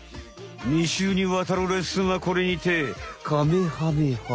２週にわたるレッスンはこれにてカメハメハ。